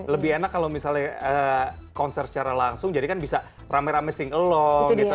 lebih enak kalau misalnya konser secara langsung jadi kan bisa rame rame sing along gitu